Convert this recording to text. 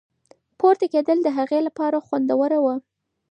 پورته کېدل د هغې لپاره خوندور وو.